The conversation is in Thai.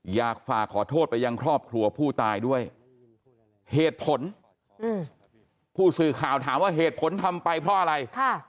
อยากฝากขอโทษไปยังครอบครัวผู้ตายด้วยเหตุผลผู้สื่อข่าวถามว่าเหตุผลทำไปเพราะอะไร